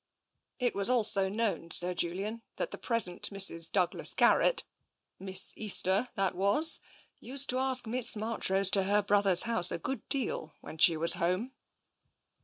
It was also known, Sir Julian, that the present Mrs. Douglas Garrett — Miss Easter that was — used to ask Miss Marchrose to her brother's house a good deal while she was home."